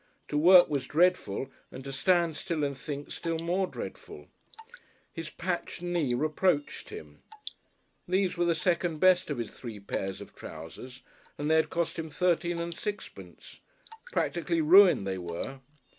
To work was dreadful and to stand still and think still more dreadful. His patched knee reproached him. These were the second best of his three pairs of trousers, and they had cost him thirteen and sixpence. Practically ruined they were.